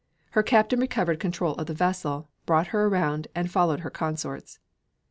Her captain recovered control of the vessel, brought her around, and followed her consorts.